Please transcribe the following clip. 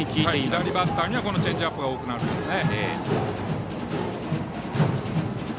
左バッターにはチェンジアップが多くなりますね。